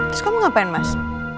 terus kamu ngapain mas